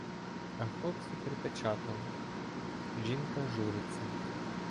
А хлопці припечатали — "Жінка журиться".